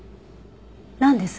なんです？